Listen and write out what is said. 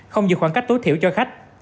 không giữ khoảng cách tối thiểu cho khách